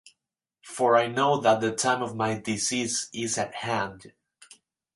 For I know that the time of my decease is at hand.